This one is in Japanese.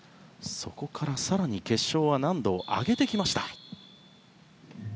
そこから更に決勝は難度を上げてきました。